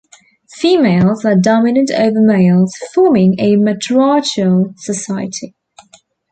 Females are dominant over males, forming a matriarchal society.